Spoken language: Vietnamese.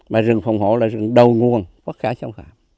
mà rừng phòng hộ là rừng đầu nguồn bất khả trong khảm